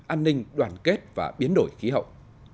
an ninh đoàn kết và biến đổi khí hậu